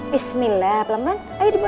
bisa nanti aku bawa satu iya pinter